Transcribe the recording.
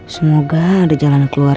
semoga ada jalan keluar